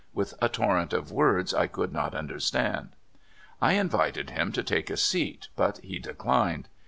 with a torrent of words I could not understand. I invited him to take a seat, but he dechned.